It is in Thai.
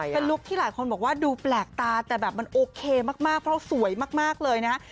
เป็นลุคที่หลายคนบอกว่าดูแปลกตาแต่แบบมันโอเคมากเพราะสวยมากเลยนะฮะ